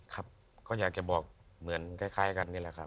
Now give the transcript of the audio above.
ครับก็อยากจะบอกเหมือนคล้ายกันนี่แหละครับ